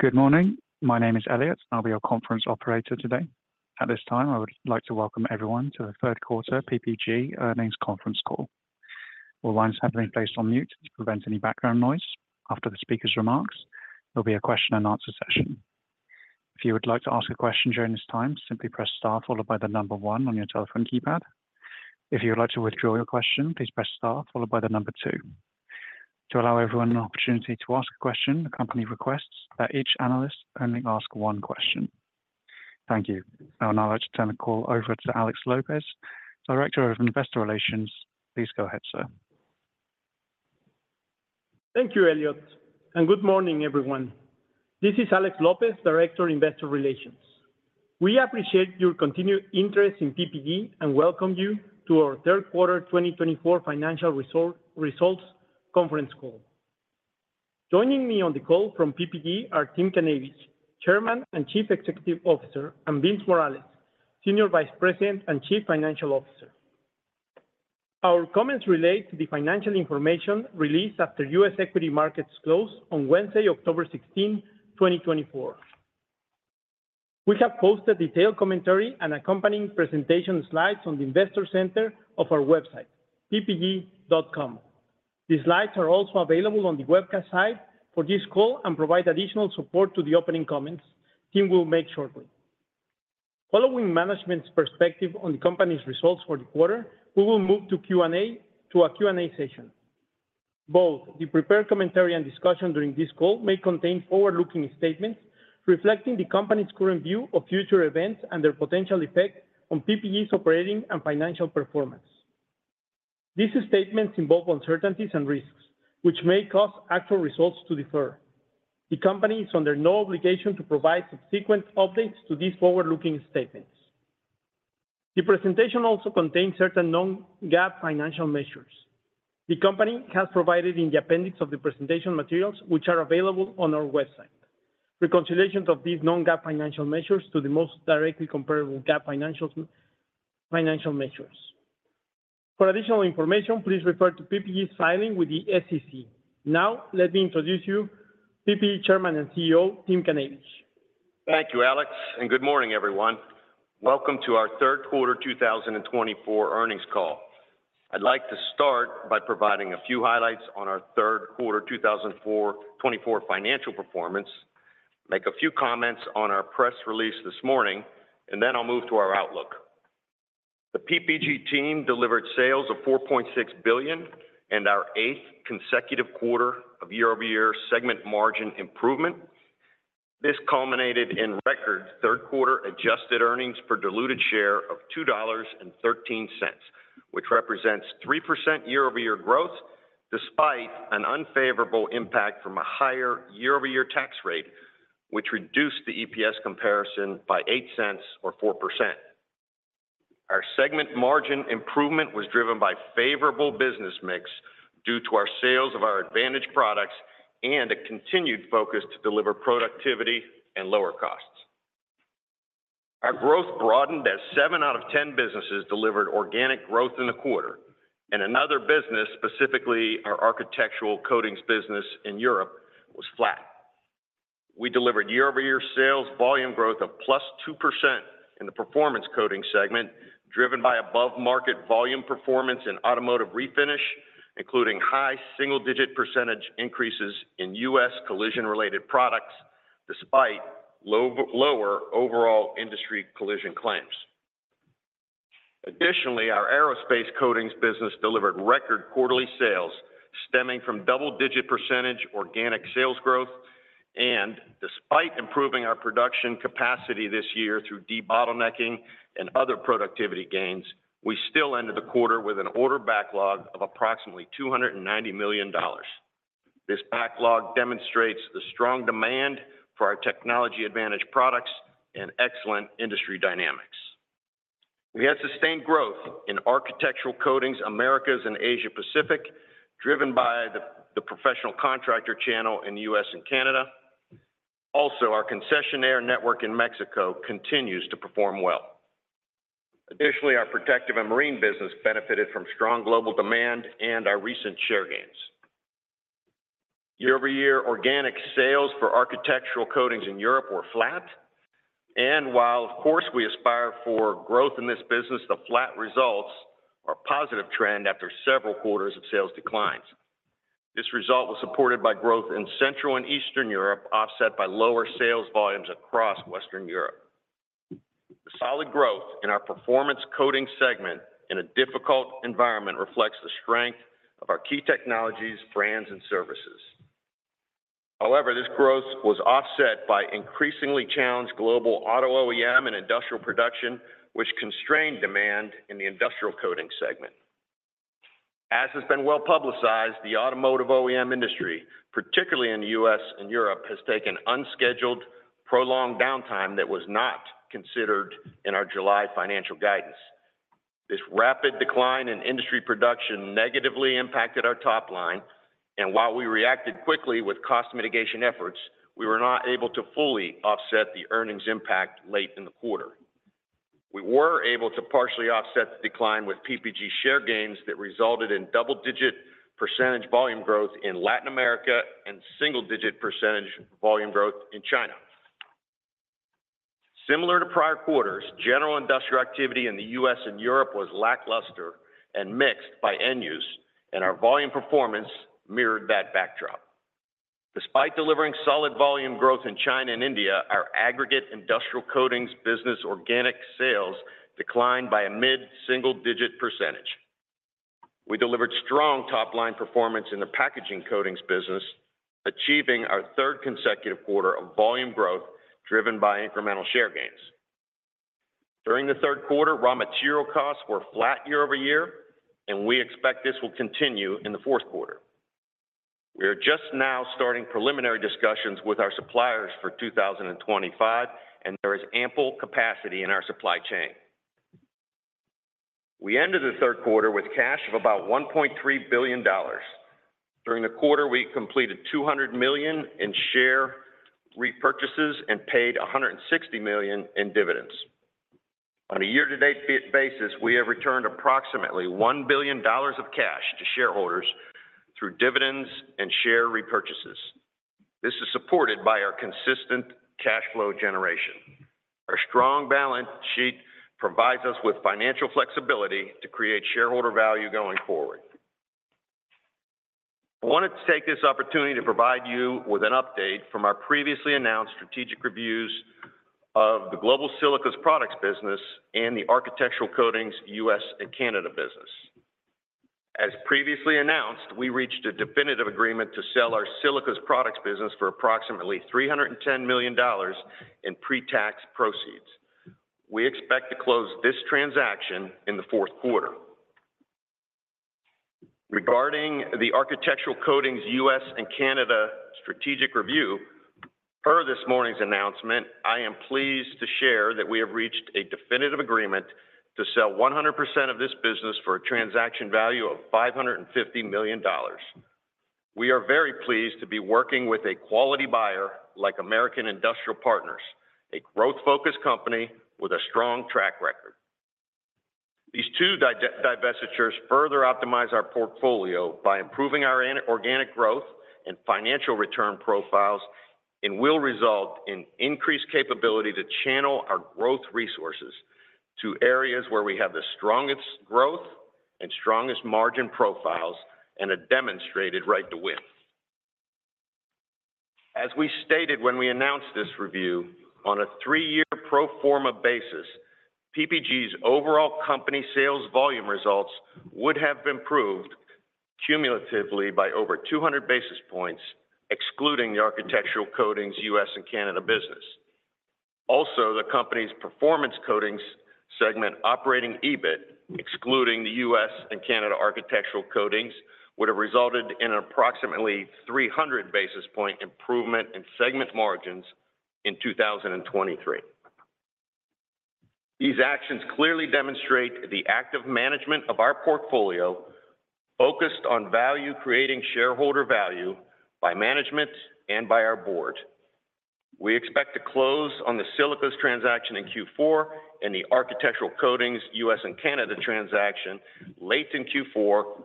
Good morning. My name is Elliot. I'll be your conference operator today. At this time, I would like to welcome everyone to the third quarter PPG Earnings Conference Call. All lines have been placed on mute to prevent any background noise. After the speaker's remarks, there'll be a question and answer session. If you would like to ask a question during this time, simply press star followed by the number one on your telephone keypad. If you would like to withdraw your question, please press star followed by the number two. To allow everyone an opportunity to ask a question, the company requests that each analyst only ask one question. Thank you. I would now like to turn the call over to Alex Lopez, Director of Investor Relations. Please go ahead, sir. Thank you, Elliot, and good morning, everyone. This is Alex Lopez, Director, Investor Relations. We appreciate your continued interest in PPG, and welcome you to our third quarter 2024 financial results conference call. Joining me on the call from PPG are Tim Knavish, Chairman and Chief Executive Officer, and Vince Morales, Senior Vice President and Chief Financial Officer. Our comments relate to the financial information released after U.S. equity markets closed on Wednesday, October 16, 2024. We have posted detailed commentary and accompanying presentation slides on the investor center of our website, ppg.com. The slides are also available on the webcast site for this call and provide additional support to the opening comments Tim will make shortly. Following management's perspective on the company's results for the quarter, we will move to Q&A, to a Q&A session. Both the prepared commentary and discussion during this call may contain forward-looking statements reflecting the company's current view of future events and their potential effect on PPG's operating and financial performance. These statements involve uncertainties and risks, which may cause actual results to differ. The company is under no obligation to provide subsequent updates to these forward-looking statements. The presentation also contains certain non-GAAP financial measures. The company has provided in the appendix of the presentation materials, which are available on our website, reconciliations of these non-GAAP financial measures to the most directly comparable GAAP financial measures. For additional information, please refer to PPG's filing with the SEC. Now, let me introduce you, PPG Chairman and CEO, Tim Knavish. Thank you, Alex, and good morning, everyone. Welcome to our third quarter 2024 earnings call. I'd like to start by providing a few highlights on our third quarter 2024 financial performance, make a few comments on our press release this morning, and then I'll move to our outlook. The PPG team delivered sales of $4.6 billion in our eighth consecutive quarter of year-over-year segment margin improvement. This culminated in record third quarter adjusted earnings per diluted share of $2.13, which represents 3% year-over-year growth, despite an unfavorable impact from a higher year-over-year tax rate, which reduced the EPS comparison by $0.08 or 4%. Our segment margin improvement was driven by favorable business mix due to our sales of our advantage products and a continued focus to deliver productivity and lower costs. Our growth broadened as seven out of ten businesses delivered organic growth in the quarter, and another business, specifically our architectural coatings business in Europe, was flat. We delivered year-over-year sales volume growth of +2% in the performance coating segment, driven by above-market volume performance in automotive refinish, including high single-digit % increases in U.S. collision-related products, despite low overall industry collision claims. Additionally, our aerospace coatings business delivered record quarterly sales, stemming from double-digit % organic sales growth. And despite improving our production capacity this year through debottlenecking and other productivity gains, we still ended the quarter with an order backlog of approximately $290 million. This backlog demonstrates the strong demand for our technology advantage products and excellent industry dynamics. We had sustained growth in architectural coatings, Americas and Asia Pacific, driven by the professional contractor channel in the U.S. and Canada. Also, our concessionaire network in Mexico continues to perform well. Additionally, our protective and marine business benefited from strong global demand and our recent share gains. Year-over-year organic sales for architectural coatings in Europe were flat, and while of course we aspire for growth in this business, the flat results are a positive trend after several quarters of sales declines. This result was supported by growth in Central and Eastern Europe, offset by lower sales volumes across Western Europe. The solid growth in our performance coating segment in a difficult environment reflects the strength of our key technologies, brands, and services. However, this growth was offset by increasingly challenged global auto OEM and industrial production, which constrained demand in the industrial coating segment. As has been well-publicized, the automotive OEM industry, particularly in the U.S. and Europe, has taken unscheduled, prolonged downtime that was not considered in our July financial guidance. This rapid decline in industry production negatively impacted our top line, and while we reacted quickly with cost mitigation efforts, we were not able to fully offset the earnings impact late in the quarter. We were able to partially offset the decline with PPG share gains that resulted in double-digit % volume growth in Latin America and single-digit % volume growth in China. Similar to prior quarters, general industrial activity in the U.S. and Europe was lackluster and mixed by end use, and our volume performance mirrored that backdrop. Despite delivering solid volume growth in China and India, our aggregate industrial coatings business organic sales declined by a mid-single-digit %. We delivered strong top-line performance in the packaging coatings business, achieving our third consecutive quarter of volume growth, driven by incremental share gains. During the third quarter, raw material costs were flat year-over-year, and we expect this will continue in the fourth quarter. We are just now starting preliminary discussions with our suppliers for 2025, and there is ample capacity in our supply chain. We ended the third quarter with cash of about $1.3 billion. During the quarter, we completed $200 million in share repurchases and paid $160 million in dividends. On a year-to-date basis, we have returned approximately $1 billion of cash to shareholders through dividends and share repurchases. This is supported by our consistent cash flow generation. Our strong balance sheet provides us with financial flexibility to create shareholder value going forward. I wanted to take this opportunity to provide you with an update from our previously announced strategic reviews of the global silicas products business and the Architectural Coatings, U.S. and Canada business. As previously announced, we reached a definitive agreement to sell our silicas products business for approximately $310 million in pre-tax proceeds. We expect to close this transaction in the fourth quarter. Regarding the Architectural Coatings, U.S. and Canada strategic review, per this morning's announcement, I am pleased to share that we have reached a definitive agreement to sell 100% of this business for a transaction value of $550 million. We are very pleased to be working with a quality buyer like American Industrial Partners, a growth-focused company with a strong track record. These two divestitures further optimize our portfolio by improving our organic growth and financial return profiles and will result in increased capability to channel our growth resources to areas where we have the strongest growth and strongest margin profiles and a demonstrated right with. As we stated when we announced this review, on a three-year pro forma basis, PPG's overall company sales volume results would have improved cumulatively by over 200 basis points, excluding the Architectural Coatings, U.S. and Canada business. Also, the company's Performance Coatings segment operating EBIT, excluding the U.S. and Canada Architectural Coatings, would have resulted in approximately 300 basis point improvement in segment margins in 2023. These actions clearly demonstrate the active management of our portfolio, focused on value, creating shareholder value by management and by our board. We expect to close on the Silicas transaction in Q4 and the Architectural Coatings, U.S. and Canada transaction late in Q4 or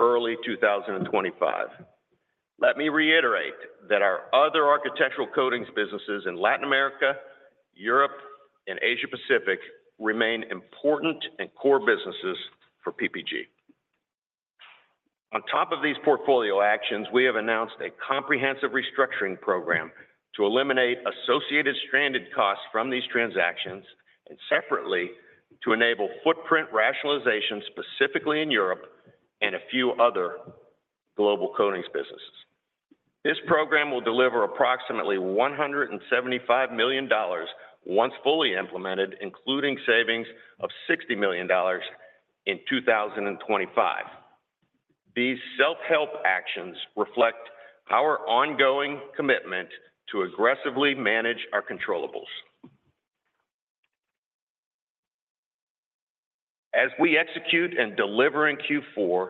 early 2025. Let me reiterate that our other architectural coatings businesses in Latin America, Europe, and Asia Pacific remain important and core businesses for PPG. On top of these portfolio actions, we have announced a comprehensive restructuring program to eliminate associated stranded costs from these transactions, and separately, to enable footprint rationalization, specifically in Europe and a few other global coatings businesses. This program will deliver approximately $175 million once fully implemented, including savings of $60 million in 2025. These self-help actions reflect our ongoing commitment to aggressively manage our controllables. As we execute and deliver in Q4,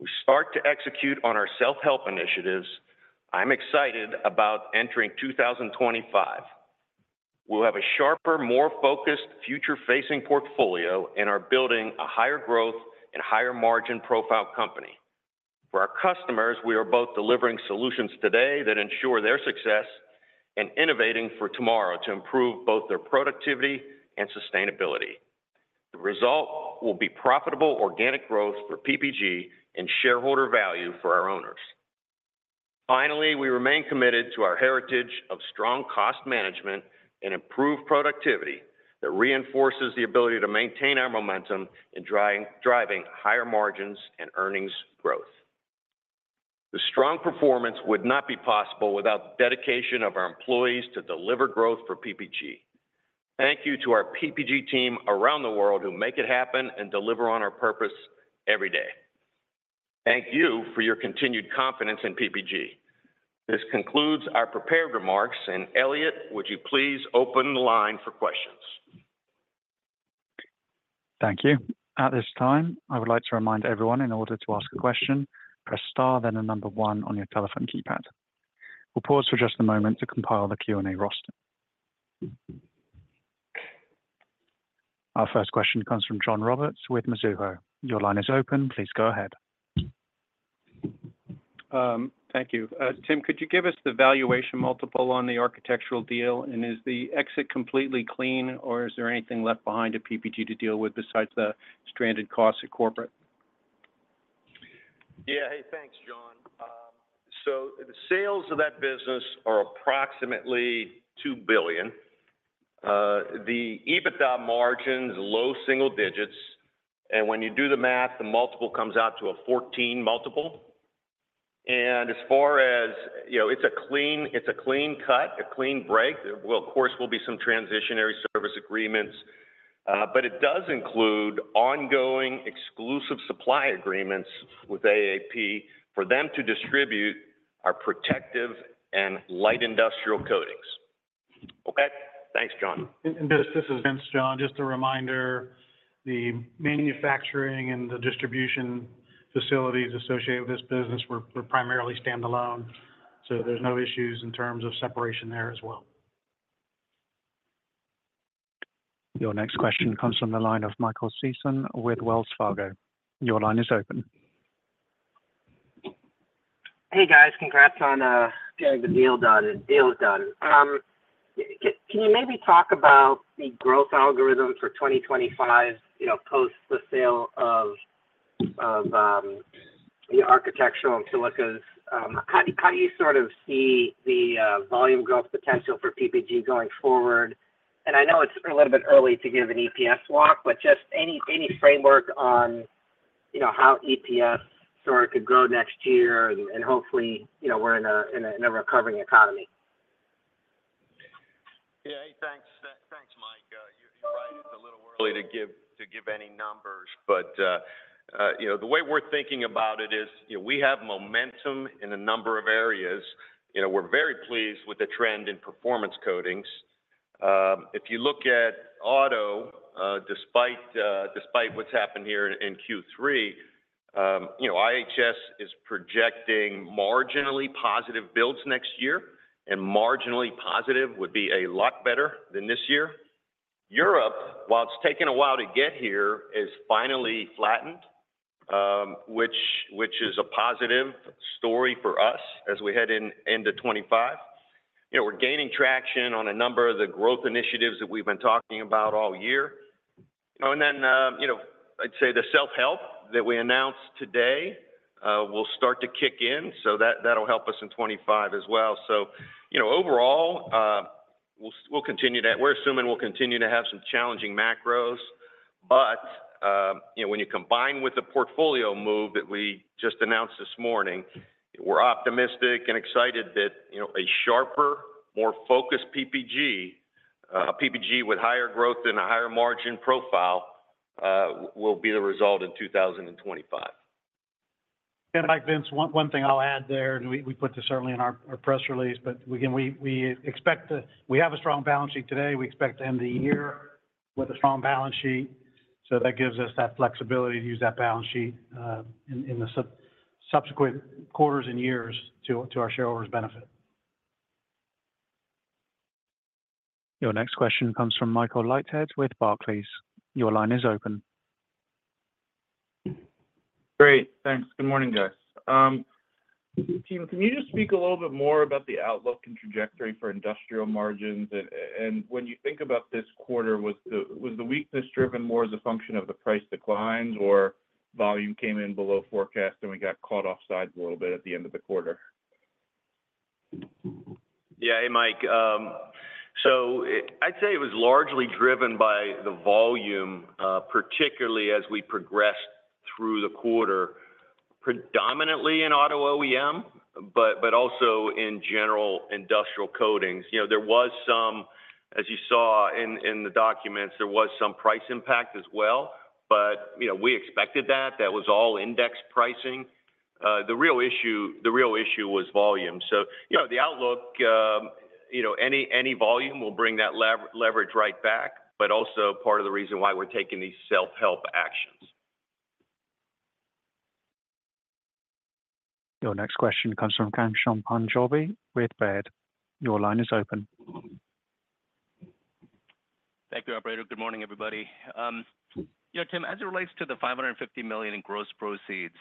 we start to execute on our self-help initiatives, I'm excited about entering 2025. We'll have a sharper, more focused, future-facing portfolio and are building a higher growth and higher margin profile company. For our customers, we are both delivering solutions today that ensure their success and innovating for tomorrow to improve both their productivity and sustainability. The result will be profitable organic growth for PPG and shareholder value for our owners. Finally, we remain committed to our heritage of strong cost management and improved productivity that reinforces the ability to maintain our momentum in driving higher margins and earnings growth. The strong performance would not be possible without the dedication of our employees to deliver growth for PPG. Thank you to our PPG team around the world who make it happen and deliver on our purpose every day. Thank you for your continued confidence in PPG. This concludes our prepared remarks, and Elliot, would you please open the line for questions? Thank you. At this time, I would like to remind everyone in order to ask a question, press star, then the number one on your telephone keypad. We'll pause for just a moment to compile the Q&A roster. Our first question comes from John Roberts with Mizuho. Your line is open. Please go ahead. Thank you. Tim, could you give us the valuation multiple on the architectural deal? And is the exit completely clean, or is there anything left behind at PPG to deal with besides the stranded costs at corporate? Yeah. Hey, thanks, John. So the sales of that business are approximately $2 billion. The EBITDA margins, low single digits, and when you do the math, the multiple comes out to a 14 multiple. And as far as... You know, it's a clean, it's a clean cut, a clean break. There will, of course, be some transitionary service agreements, but it does include ongoing exclusive supply agreements with AIP for them to distribute our protective and light industrial coatings. Okay? Thanks, John. And this is Vince, John. Just a reminder, the manufacturing and the distribution facilities associated with this business were primarily standalone, so there's no issues in terms of separation there as well. Your next question comes from the line of Michael Sison with Wells Fargo. Your line is open. Hey, guys. Congrats on getting the deal done. Can you maybe talk about the growth algorithm for 2025, you know, post the sale of the architectural and silicas? How do you sort of see the volume growth potential for PPG going forward? And I know it's a little bit early to give an EPS walk, but just any framework on, you know, how EPS sort of could grow next year and hopefully, you know, we're in a recovering economy. Yeah. Hey, thanks. Thanks, Mike. You're right. It's a little early to give any numbers, but you know, the way we're thinking about it is, you know, we have momentum in a number of areas. You know, we're very pleased with the trend in performance coatings. If you look at auto, despite what's happened here in Q3, you know, IHS is projecting marginally positive builds next year, and marginally positive would be a lot better than this year. Europe, while it's taken a while to get here, is finally flattened, which is a positive story for us as we head into 2025. You know, we're gaining traction on a number of the growth initiatives that we've been talking about all year. And then, you know, I'd say the self-help that we announced today will start to kick in, so that, that'll help us in 2025 as well. So, you know, overall, we'll continue that. We're assuming we'll continue to have some challenging macros, but, you know, when you combine with the portfolio move that we just announced this morning, we're optimistic and excited that, you know, a sharper, more focused PPG with higher growth and a higher margin profile will be the result in 2025. And Mike, Vince, one thing I'll add there, and we put this certainly in our press release, but again, we expect to—we have a strong balance sheet today. We expect to end the year with a strong balance sheet, so that gives us that flexibility to use that balance sheet in the subsequent quarters and years to our shareholders' benefit. Your next question comes from Michael Leithead with Barclays. Your line is open. Great. Thanks. Good morning, guys. Tim, can you just speak a little bit more about the outlook and trajectory for industrial margins? And when you think about this quarter, was the weakness driven more as a function of the price declines, or volume came in below forecast and we got caught offside a little bit at the end of the quarter? Yeah. Hey, Mike. So I'd say it was largely driven by the volume, particularly as we progressed through the quarter, predominantly in auto OEM, but also in general industrial coatings. You know, as you saw in the documents, there was some price impact as well, but, you know, we expected that. That was all index pricing. The real issue was volume. So, you know, the outlook, you know, any volume will bring that leverage right back, but also part of the reason why we're taking these self-help actions. Your next question comes from Ghansham Panjabi with Baird. Your line is open. Thank you, operator. Good morning, everybody. You know, Tim, as it relates to the $550 million in gross proceeds,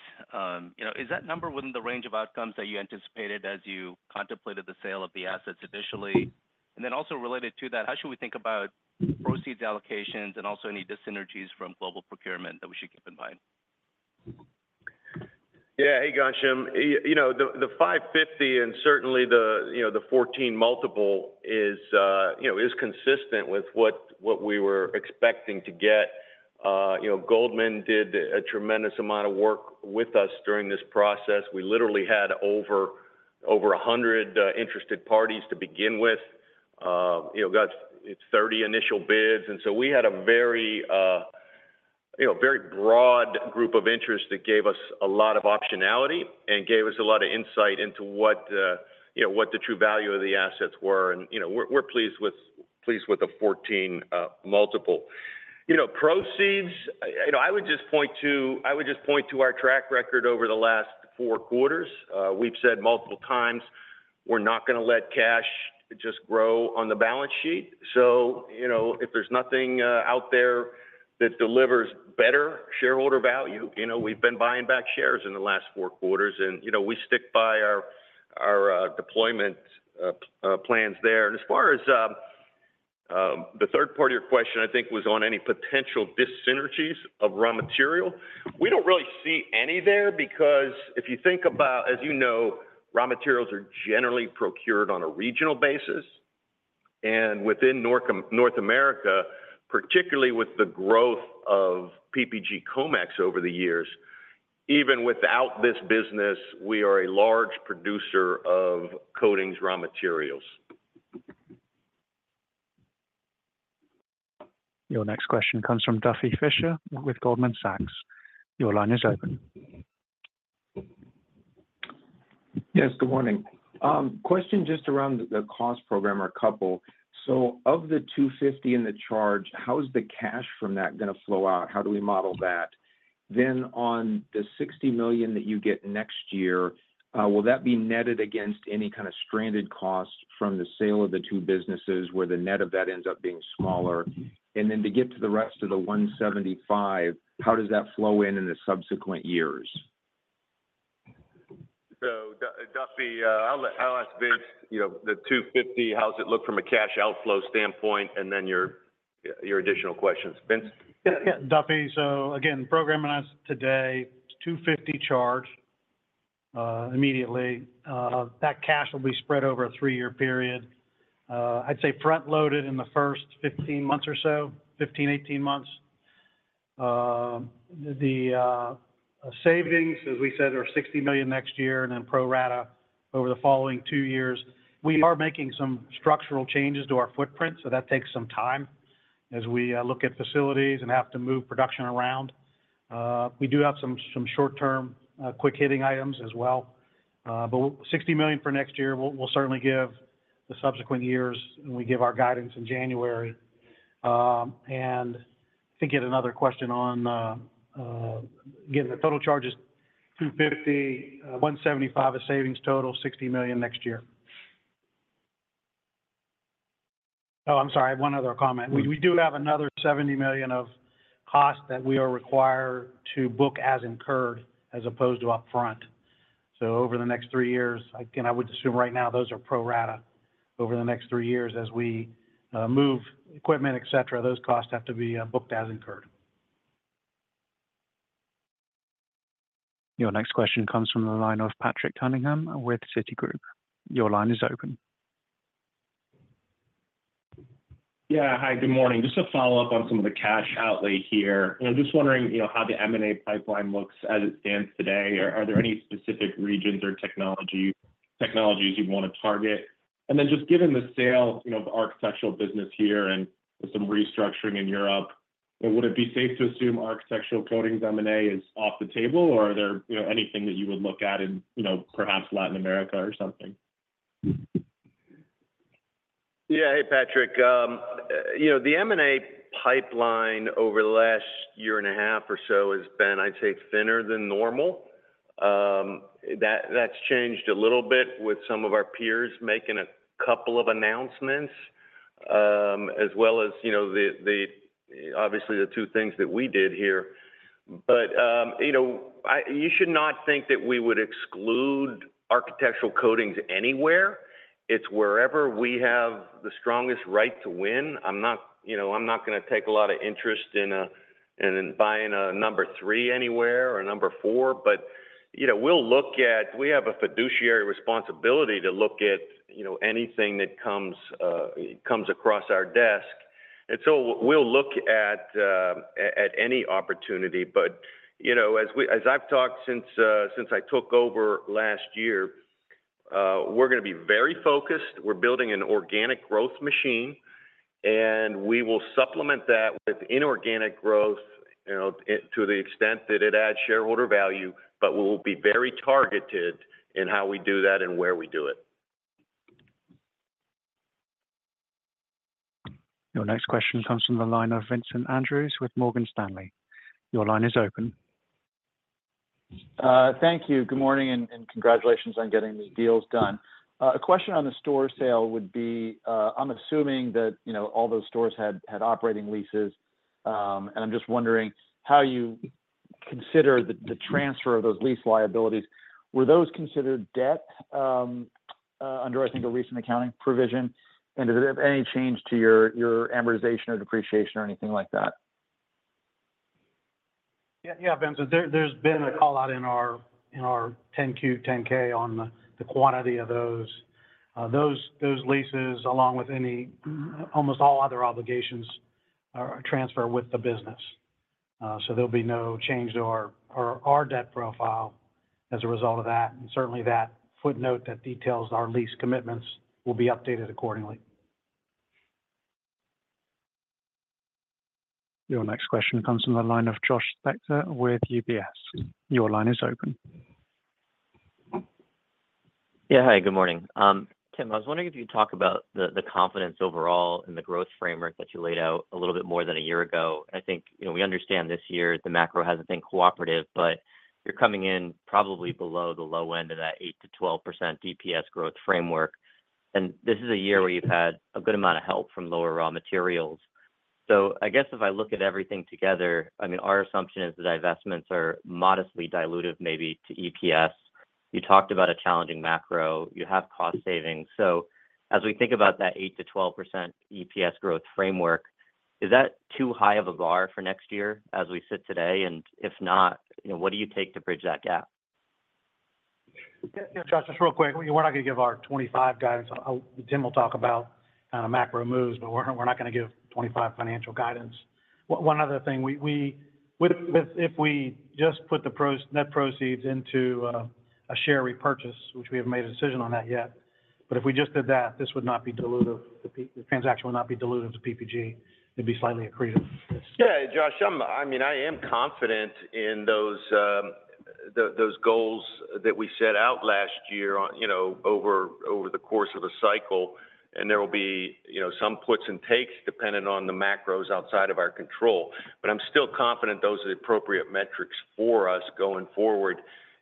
you know, is that number within the range of outcomes that you anticipated as you contemplated the sale of the assets initially? And then also related to that, how should we think about proceeds allocations and also any dis-synergies from global procurement that we should keep in mind? Yeah. Hey, Ghansham. You know, the 550 and certainly the 14 multiple is consistent with what we were expecting to get. You know, Goldman did a tremendous amount of work with us during this process. We literally had over 100 interested parties to begin with. You know, got to 30 initial bids, and so we had a very broad group of interests that gave us a lot of optionality and gave us a lot of insight into what the true value of the assets were. And, you know, we're pleased with the 14 multiple. You know, proceeds. I would just point to our track record over the last four quarters. We've said multiple times, we're not gonna let cash just grow on the balance sheet. So, you know, if there's nothing out there that delivers better shareholder value, you know, we've been buying back shares in the last four quarters, and, you know, we stick by our deployment plans there. And as far as the third part of your question, I think was on any potential dyssynergies of raw material. We don't really see any there, because if you think about, as you know, raw materials are generally procured on a regional basis. And within North America, particularly with the growth of PPG Comex over the years, even without this business, we are a large producer of coatings raw materials. Your next question comes from Duffy Fischer with Goldman Sachs. Your line is open. Yes, good morning. Question just around the cost program, or a couple. So of the $250 million in the charge, how is the cash from that gonna flow out? How do we model that? Then on the $60 million that you get next year, will that be netted against any kind of stranded costs from the sale of the two businesses, where the net of that ends up being smaller? And then, to get to the rest of the $175 million, how does that flow in in the subsequent years? So Duffy, I'll ask Vince, you know, the $250 million, how's it look from a cash outflow standpoint, and then your additional questions. Vince? Yeah, Duffy, so again, the program announced today, it's a $250 million charge immediately. That cash will be spread over a three-year period. I'd say front-loaded in the first 15 months or so, 18 months. The savings, as we said, are $60 million next year, and then pro rata over the following two years. We are making some structural changes to our footprint, so that takes some time as we look at facilities and have to move production around. We do have some short-term quick-hitting items as well. But $60 million for next year, we'll certainly give the subsequent years when we give our guidance in January. And I think you had another question on... The total charge is $250 million, $175 million is savings total, $60 million next year. Oh, I'm sorry, one other comment. We do have another $70 million of cost that we are required to book as incurred, as opposed to upfront. So over the next three years, again, I would assume right now, those are pro rata. Over the next three years as we move equipment, et cetera, those costs have to be booked as incurred. Your next question comes from the line of Patrick Cunningham with Citigroup. Your line is open. Yeah. Hi, good morning. Just to follow up on some of the cash outlay here. I'm just wondering, you know, how the M&A pipeline looks as it stands today? Are there any specific regions or technologies you'd want to target? And then, just given the sale, you know, of the architectural business here and with some restructuring in Europe, would it be safe to assume architectural coatings M&A is off the table, or are there, you know, anything that you would look at in, you know, perhaps Latin America or something? Yeah. Hey, Patrick. You know, the M&A pipeline over the last year and a half or so has been, I'd say, thinner than normal. That, that's changed a little bit with some of our peers making a couple of announcements, as well as, you know, the, the, obviously, the two things that we did here. But, you know, I... You should not think that we would exclude architectural coatings anywhere. It's wherever we have the strongest right to win. I'm not, you know, I'm not gonna take a lot of interest in, in buying a number three anywhere or a number four, but, you know, we'll look at- We have a fiduciary responsibility to look at, you know, anything that comes, comes across our desk, and so we'll look at, at, at any opportunity. But, you know, as I've talked since I took over last year, we're gonna be very focused. We're building an organic growth machine, and we will supplement that with inorganic growth, you know, to the extent that it adds shareholder value, but we will be very targeted in how we do that and where we do it. Your next question comes from the line of Vincent Andrews with Morgan Stanley. Your line is open. Thank you. Good morning, and congratulations on getting these deals done. A question on the store sale would be, I'm assuming that, you know, all those stores had operating leases. And I'm just wondering how you consider the transfer of those lease liabilities. Were those considered debt under, I think, a recent accounting provision? And did it have any change to your amortization or depreciation or anything like that? Yeah, yeah, Vincent, there's been a call-out in our 10-Q, 10-K on the quantity of those. Those leases, along with almost all other obligations, transfer with the business. So there'll be no change to our debt profile as a result of that. And certainly, that footnote that details our lease commitments will be updated accordingly. Your next question comes from the line of Josh Spector with UBS. Your line is open. Yeah. Hi, good morning. Tim, I was wondering if you'd talk about the confidence overall in the growth framework that you laid out a little bit more than a year ago. I think, you know, we understand this year, the macro hasn't been cooperative, but you're coming in probably below the low end of that 8%-12% DPS growth framework, and this is a year where you've had a good amount of help from lower raw materials. So I guess if I look at everything together, I mean, our assumption is the divestments are modestly dilutive, maybe to EPS. You talked about a challenging macro, you have cost savings. So as we think about that 8%-12% EPS growth framework, is that too high of a bar for next year as we sit today? If not, you know, what do you take to bridge that gap? Yeah, Josh, just real quick, we're not gonna give our 2025 guidance. I, Tim will talk about kind of macro moves, but we're, we're not gonna give 2025 financial guidance. One other thing, we, we, with, if we just put the net proceeds into a share repurchase, which we haven't made a decision on that yet, but if we just did that, this would not be dilutive. The transaction would not be dilutive to PPG, it'd be slightly accretive. Yeah, Josh, I mean, I am confident in those goals that we set out last year on, you know, over the course of a cycle, and there will be, you know, some puts and takes dependent on the macros outside of our control. But I'm still confident those are the appropriate metrics for us going forward.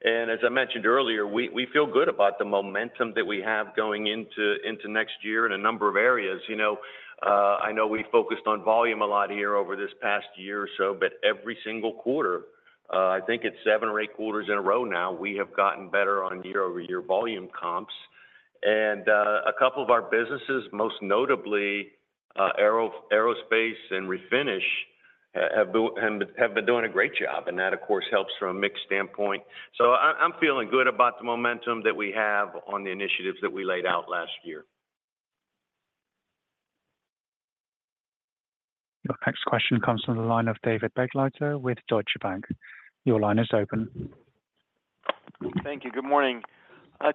And as I mentioned earlier, we feel good about the momentum that we have going into next year in a number of areas. You know, I know we focused on volume a lot here over this past year or so, but every single quarter, I think it's seven or eight quarters in a row now, we have gotten better on year-over-year volume comps. A couple of our businesses, most notably, aerospace and Refinish, have been doing a great job, and that, of course, helps from a mix standpoint. I'm feeling good about the momentum that we have on the initiatives that we laid out last year. Your next question comes from the line of David Begleiter with Deutsche Bank. Your line is open. Thank you. Good morning.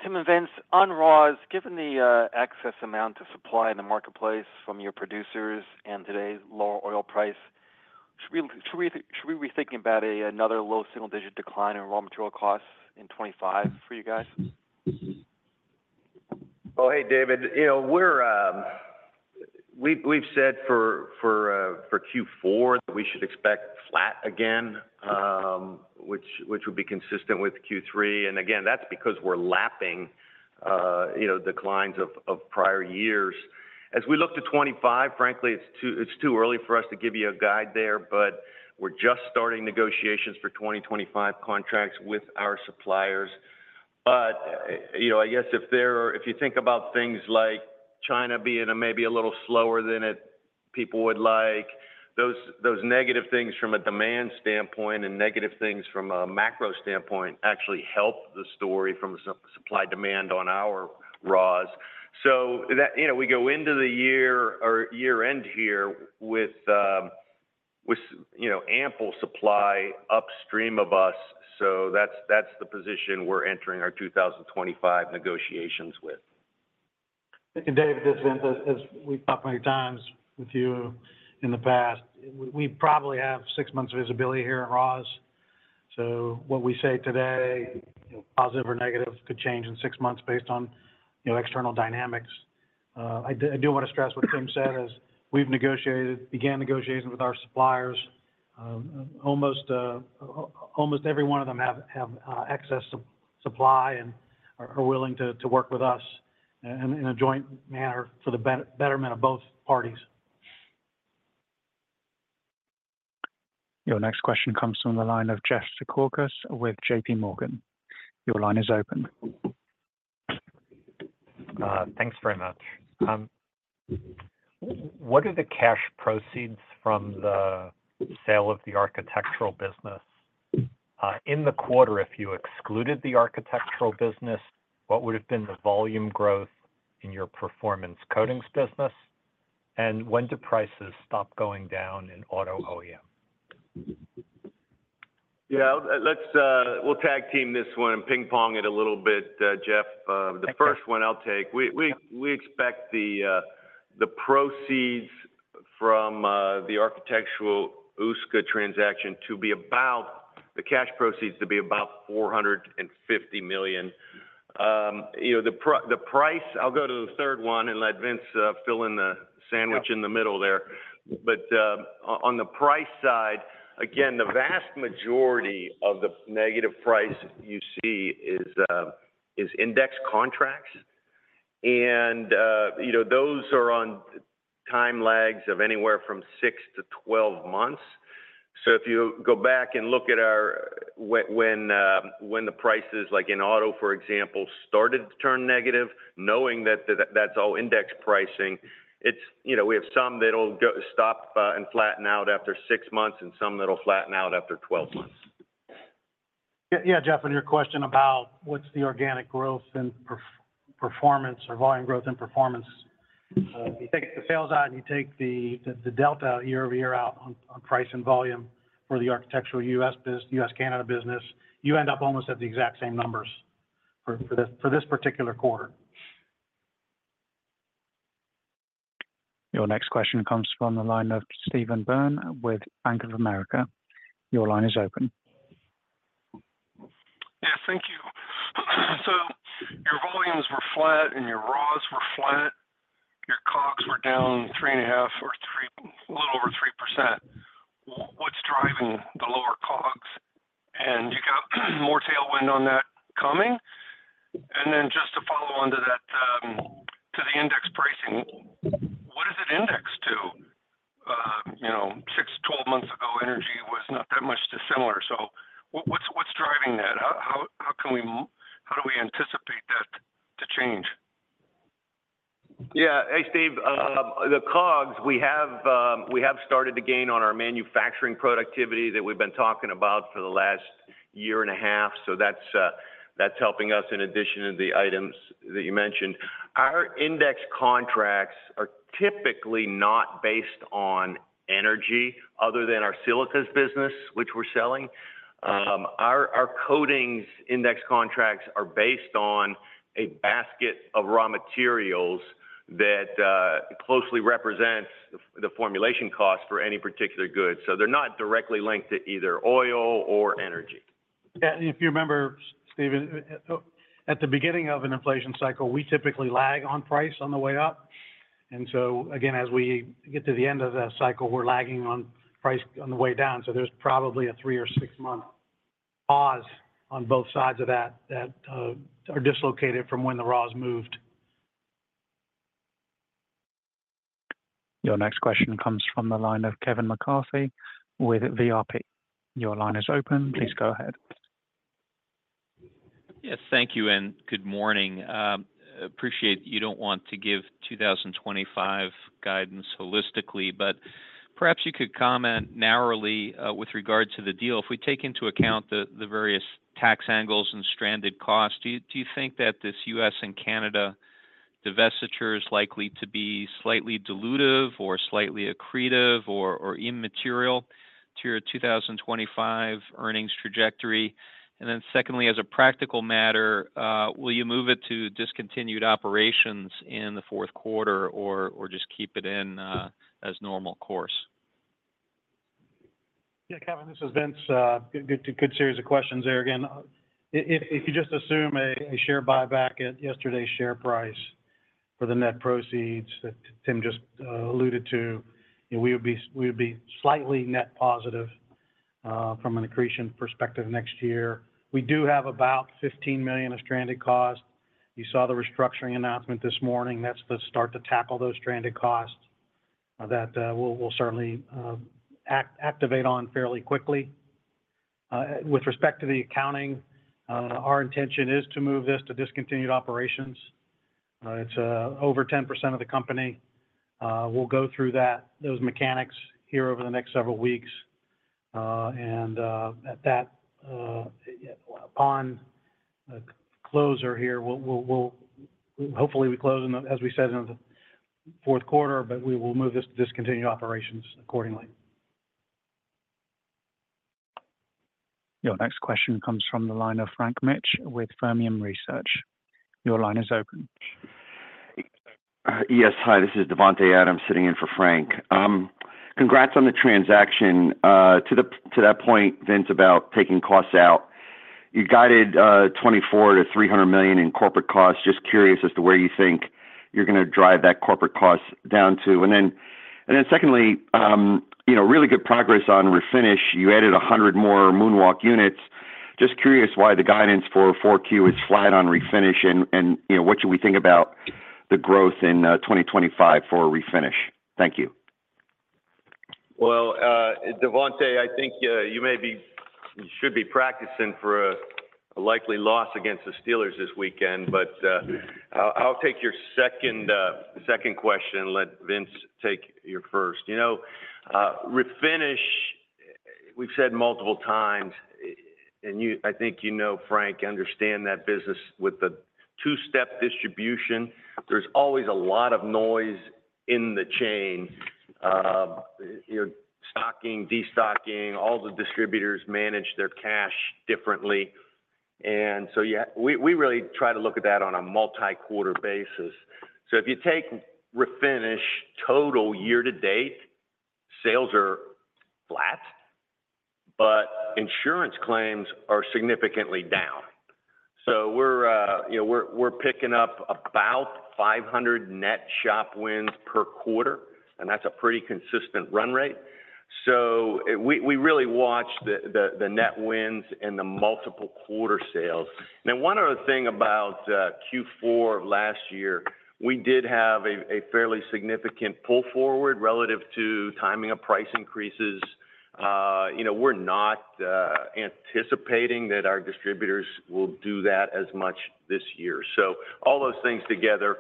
Tim and Vince, on raws, given the excess amount of supply in the marketplace from your producers and today's lower oil price, should we be thinking about another low single digit decline in raw material costs in 2025 for you guys? Hey, David, you know, we've said for Q4 that we should expect flat again, which would be consistent with Q3, and again, that's because we're lapping, you know, declines of prior years. As we look to 2025, frankly, it's too early for us to give you a guide there, but we're just starting negotiations for 2025 contracts with our suppliers, but you know, I guess if there, if you think about things like China being maybe a little slower than people would like, those negative things from a demand standpoint and negative things from a macro standpoint actually help the story from a supply demand on our raws. So that you know, we go into the year or year end here with you know, ample supply upstream of us, so that's the position we're entering our 2025 negotiations with. And David, this is, as we've talked many times with you in the past, we probably have six months visibility here in raws. So what we say today, you know, positive or negative, could change in six months based on, you know, external dynamics. I do wanna stress what Tim said, as we began negotiations with our suppliers. Almost every one of them have access to supply and are willing to work with us in a joint manner for the betterment of both parties. Your next question comes from the line of Jeff Zekauskas with JPMorgan. Your line is open. Thanks very much. What are the cash proceeds from the sale of the architectural business? In the quarter, if you excluded the architectural business, what would have been the volume growth in your performance coatings business? And when do prices stop going down in auto OEM? Yeah, let's, we'll tag team this one and ping-pong it a little bit, Jeff. Okay. The first one I'll take. We expect the proceeds from the architectural USCA transaction to be about the cash proceeds to be about $450 million. You know, the price. I'll go to the third one and let Vince fill in the sandwich. Yeah In the middle there, but on the price side, again, the vast majority of the negative price you see is index contracts. And, you know, those are on time lags of anywhere from six to 12 months. So if you go back and look at our, when the prices, like in auto, for example, started to turn negative, knowing that that's all index pricing, it's, you know, we have some that'll stop and flatten out after six months, and some that'll flatten out after 12 months. Yeah, yeah, Jeff, and your question about what's the organic growth and price performance or volume growth and performance. You take the sales out, and you take the delta year-over-year out on price and volume for the architectural U.S. business, U.S. and Canada business. You end up almost at the exact same numbers for this particular quarter. Your next question comes from the line of Steven Byrne with Bank of America. Your line is open. Yeah, thank you. So your volumes were flat, and your raws were flat. Your COGS were down 3.5% or 3%, a little over 3%. What's driving the lower COGS? And you got more tailwind on that coming? And then just to follow on to that, to the index pricing, what is it indexed to? You know, six, 12 months ago, energy was not that much dissimilar. So what's driving that? How do we anticipate that to change? Yeah. Hey, Steve, the COGS, we have started to gain on our manufacturing productivity that we've been talking about for the last year and a half, so that's helping us in addition to the items that you mentioned. Our index contracts are typically not based on energy other than our silicas business, which we're selling. Our coatings index contracts are based on a basket of raw materials that closely represents the formulation cost for any particular goods. So they're not directly linked to either oil or energy. Yeah, if you remember, Steven, at the beginning of an inflation cycle, we typically lag on price on the way up. And so, again, as we get to the end of the cycle, we're lagging on price on the way down, so there's probably a three or six-month pause on both sides of that that are dislocated from when the raws moved. Your next question comes from the line of Kevin McCarthy with VRP. Your line is open. Please go ahead. Yes, thank you, and good morning. Appreciate you don't want to give 2025 guidance holistically, but perhaps you could comment narrowly with regards to the deal. If we take into account the various tax angles and stranded costs, do you think that this U.S. and Canada divestiture is likely to be slightly dilutive or slightly accretive or immaterial to your 2025 earnings trajectory? And then secondly, as a practical matter, will you move it to discontinued operations in the fourth quarter or just keep it in as normal course? Yeah, Kevin, this is Vince. Good, good, good series of questions there again. If you just assume a share buyback at yesterday's share price for the net proceeds that Tim just alluded to, you know, we would be slightly net positive from an accretion perspective next year. We do have about 15 million of stranded costs. You saw the restructuring announcement this morning. That's the start to tackle those stranded costs that we'll certainly activate on fairly quickly. With respect to the accounting, our intention is to move this to discontinued operations. It's over 10% of the company. We'll go through those mechanics here over the next several weeks, and upon the close here, we'll hopefully close in the fourth quarter, as we said, but we will move this to discontinued operations accordingly. Your next question comes from the line of Frank Mitsch with Fermium Research. Your line is open. Yes. Hi, this is Davante Adams, sitting in for Frank. Congrats on the transaction. To that point, Vince, about taking costs out, you guided $24-$300 million in corporate costs. Just curious as to where you think you're gonna drive that corporate cost down to. And then secondly, you know, really good progress on Refinish. You added 100 more MoonWalk units. Just curious why the guidance for 4Q is flat on Refinish, and you know, what should we think about the growth in 2025 for Refinish? Thank you. Well, Davante, I think you should be practicing for a likely loss against the Steelers this weekend, but I'll take your second question and let Vince take your first. You know, Refinish, we've said multiple times, and I think you know Frank understand that business with the two-step distribution. There's always a lot of noise in the chain. You're stocking, destocking, all the distributors manage their cash differently. And so, yeah, we really try to look at that on a multi-quarter basis. So if you take refinish total year to date, sales are flat, but insurance claims are significantly down. So we're, you know, we're picking up about 500 net shop wins per quarter, and that's a pretty consistent run rate. So we really watch the net wins and the multiple quarter sales. Now, one other thing about Q4 last year, we did have a fairly significant pull forward relative to timing of price increases. You know, we're not anticipating that our distributors will do that as much this year. So all those things together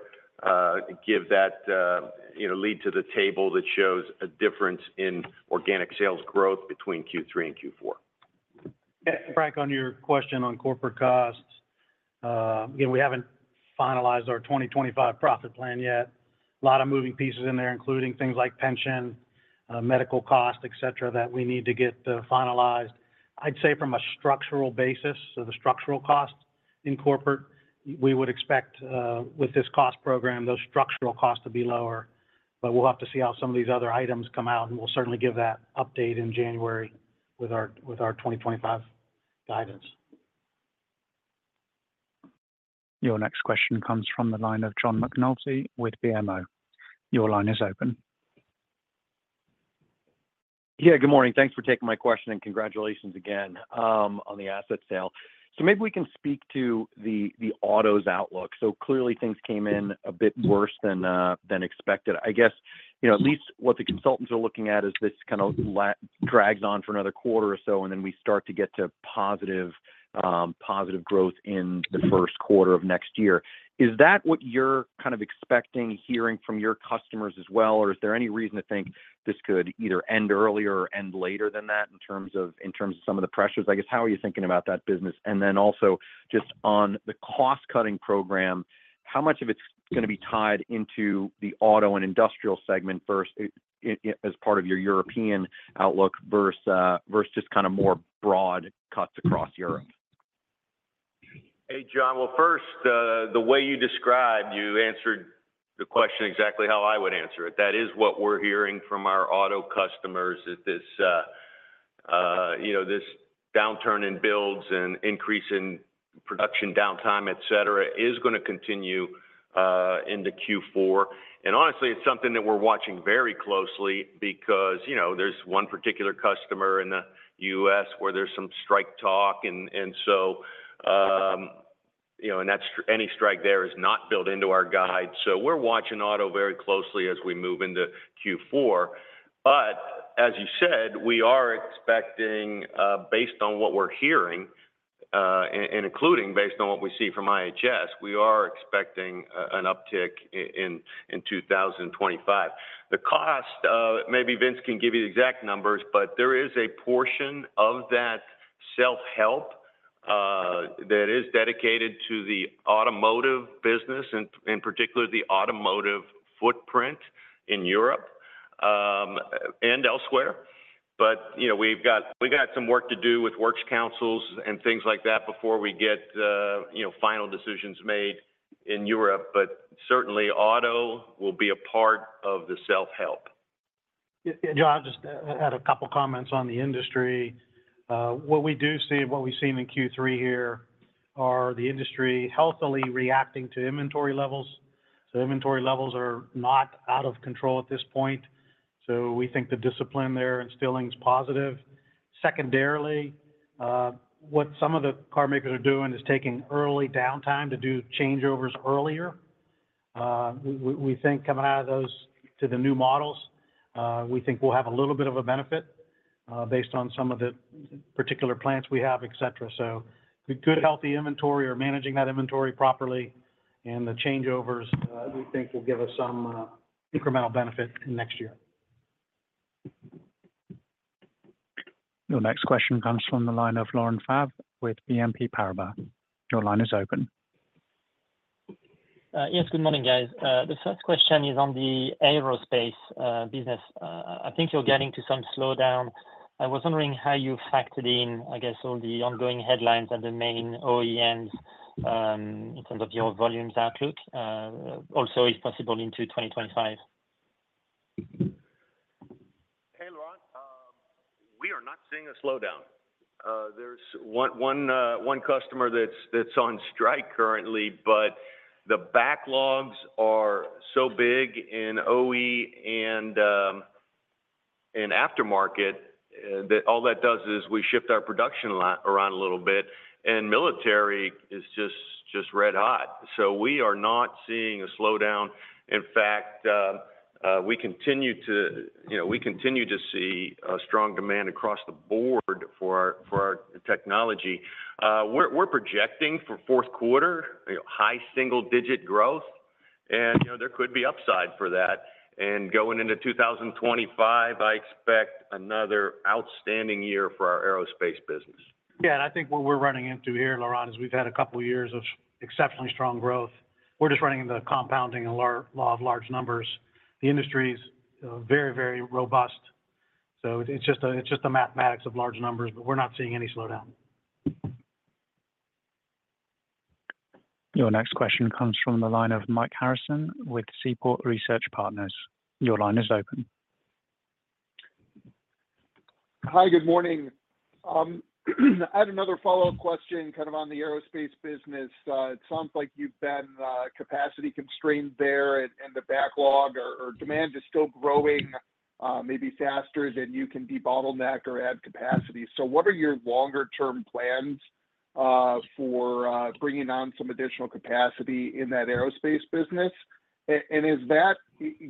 give that you know lead to the table that shows a difference in organic sales growth between Q3 and Q4. Yeah, Frank, on your question on corporate costs, again, we haven't finalized our 2025 profit plan yet. A lot of moving pieces in there, including things like pension, medical costs, et cetera, that we need to get finalized. I'd say from a structural basis, so the structural costs in corporate, we would expect, with this cost program, those structural costs to be lower. But we'll have to see how some of these other items come out, and we'll certainly give that update in January with our 2025 guidance. Your next question comes from the line of John McNulty with BMO. Your line is open. Yeah, good morning. Thanks for taking my question, and congratulations again on the asset sale. So maybe we can speak to the autos outlook. So clearly, things came in a bit worse than expected. I guess, you know, at least what the consultants are looking at is this kind of lag drags on for another quarter or so, and then we start to get to positive growth in the first quarter of next year. Is that what you're kind of expecting, hearing from your customers as well, or is there any reason to think this could either end earlier or end later than that in terms of some of the pressures? I guess, how are you thinking about that business? And then also, just on the cost-cutting program, how much of it's gonna be tied into the auto and industrial segment first, as part of your European outlook, versus just kinda more broad cuts across Europe? Hey, John. Well, first, the way you described, you answered the question exactly how I would answer it. That is what we're hearing from our auto customers, that this, you know, this downturn in builds and increase in production downtime, et cetera, is gonna continue into Q4. And honestly, it's something that we're watching very closely because, you know, there's one particular customer in the U.S. where there's some strike talk, and so, you know, and that any strike there is not built into our guide. So we're watching auto very closely as we move into Q4. But as you said, we are expecting, based on what we're hearing, and including based on what we see from IHS, we are expecting an uptick in 2025. The cost, maybe Vince can give you the exact numbers, but there is a portion of that self-help that is dedicated to the automotive business, and in particular, the automotive footprint in Europe, and elsewhere. But, you know, we've got some work to do with works councils and things like that before we get, you know, final decisions made in Europe. But certainly, auto will be a part of the self-help. Yeah, yeah, I'll just add a couple of comments on the industry. What we do see, what we've seen in Q3 here, are the industry healthily reacting to inventory levels. So inventory levels are not out of control at this point, so we think the discipline they're instilling is positive. Secondarily, what some of the carmakers are doing is taking early downtime to do changeovers earlier. We think coming out of those to the new models, we think we'll have a little bit of a benefit, based on some of the particular plans we have, et cetera. So the good, healthy inventory are managing that inventory properly, and the changeovers, we think will give us some, incremental benefit in next year. Your next question comes from the line of Laurent Favre with BNP Paribas. Your line is open. Yes, good morning, guys. The first question is on the aerospace business. I think you're getting to some slowdown. I was wondering how you factored in, I guess, all the ongoing headlines and the main OEMs, in terms of your volumes outlook, also, if possible, into 2025. Hey, Laurent. We are not seeing a slowdown. There's one customer that's on strike currently, but the backlogs are so big in OE and in aftermarket that all that does is we shift our production line around a little bit, and military is just red-hot. So we are not seeing a slowdown. In fact, we continue to see strong demand across the board for our technology. We're projecting for fourth quarter high single-digit growth, and you know, there could be upside for that. And going into 2025, I expect another outstanding year for our aerospace business. Yeah, and I think what we're running into here, Laurent, is we've had a couple of years of exceptionally strong growth. We're just running into the compounding and law of large numbers. The industry is very, very robust, so it's just the mathematics of large numbers, but we're not seeing any slowdown. Your next question comes from the line of Mike Harrison with Seaport Research Partners. Your line is open. Hi, good morning. I had another follow-up question, kind of on the aerospace business. It sounds like you've been capacity-constrained there, and the backlog or demand is still growing, maybe faster than you can be bottlenecked or add capacity. So what are your longer-term plans for bringing on some additional capacity in that aerospace business? And is that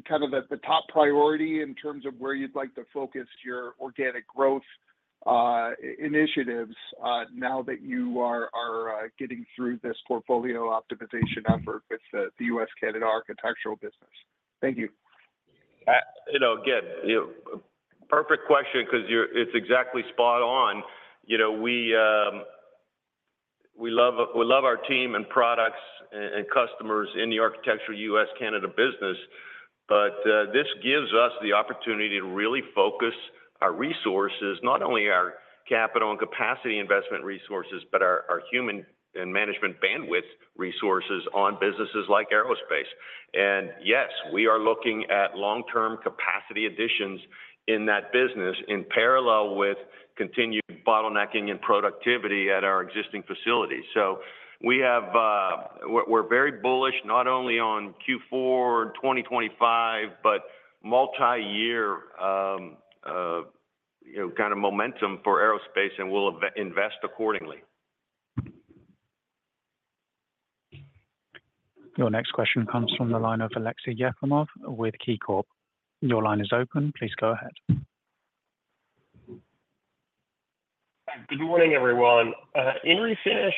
kind of at the top priority in terms of where you'd like to focus your organic growth initiatives, now that you are getting through this portfolio optimization effort with the U.S.-Canada architectural business? Thank you. You know, again, you know, perfect question because you're, it's exactly spot on. You know, we... We love, we love our team and products, and, and customers in the architectural U.S.-Canada business. But, this gives us the opportunity to really focus our resources, not only our capital and capacity investment resources, but our, our human and management bandwidth resources on businesses like aerospace. And yes, we are looking at long-term capacity additions in that business in parallel with continued debottlenecking and productivity at our existing facilities. So we have, we're, we're very bullish not only on Q4 and 2025, but multi-year, you know, kind of momentum for aerospace, and we'll invest accordingly. Your next question comes from the line of Aleksey Yefremov with KeyCorp. Your line is open. Please go ahead. Good morning, everyone. In refinish,